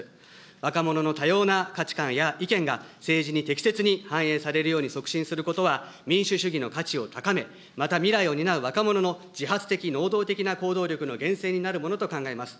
若者の多様な価値観や意見が政治に適切に反映されるように促進することは、民主主義の価値を高め、また未来を担う若者の自発的、能動的な行動力の源泉になるものと考えます。